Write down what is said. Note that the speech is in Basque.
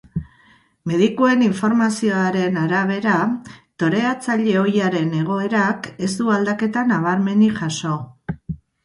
Medikuen informazioaren arabera, toreatzaile ohiaren egoerak ez du aldaketa nabarmenik jaso.